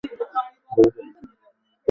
গুলকী পিছনে পিছনে অনেকদূর চলিল।